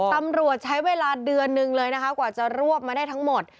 ตำรวจใช้เวลาเดือนนึงเลยนะคะกว่าจะรวบมาได้ทั้งหมด